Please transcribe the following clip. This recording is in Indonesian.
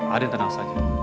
aden tenang saja